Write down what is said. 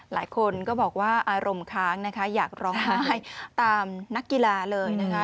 หลายคนก็บอกว่าอารมณ์ค้างนะคะอยากร้องไห้ตามนักกีฬาเลยนะคะ